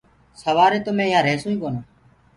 سوآري تو مي يهآنٚ ريهسوئيٚ ڪونآ